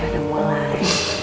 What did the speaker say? ya udah mulai